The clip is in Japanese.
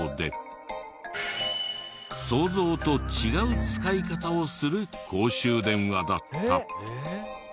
想像と違う使い方をする公衆電話だった。